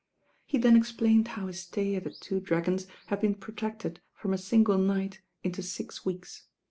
He then explained how his stay at "The Two Dragons" had been protracted from a single night into six weeks.